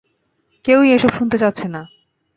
কেউই এসব শুনতে চাচ্ছে না।